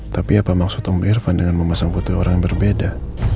tapi apa maksud om irvan dengan memasang foto orang yang berbeda